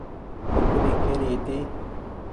ٻڪري ڪيري هيتي۔